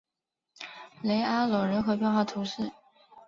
雷阿隆人口变化图示